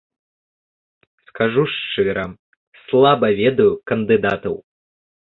Скажу шчыра, слаба ведаю кандыдатаў.